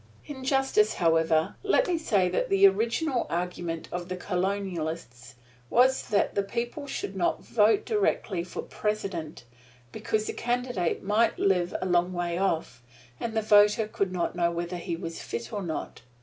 In justice, however, let me say that the original argument of the Colonists was that the people should not vote directly for President, because the candidate might live a long way off, and the voter could not know whether he was fit or not.